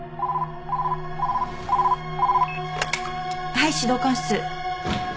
☎はい指導官室。